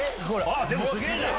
あっでもすげぇな！